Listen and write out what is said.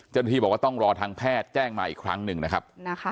เจนธีบอกก็ต้องรอทางแพทย์แจ้งมาอีกครั้งหนึ่งนะครับ